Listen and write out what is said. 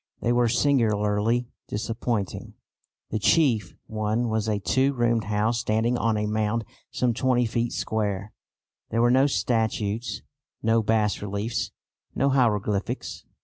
They were singularly disappointing. The chief one was a two roomed house standing on a mound some 20 feet square. There were no statues, no bas reliefs, no hieroglyphics.